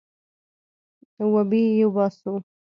وبې يې باسو.